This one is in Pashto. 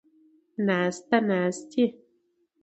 ناسته ، ناستې